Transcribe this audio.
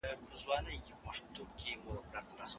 په افغانستان کي د خلګو حقونه باید له پامه ونه غورځول سي.